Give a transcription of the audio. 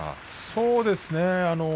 そうですね。